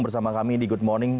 bersama kami di good morning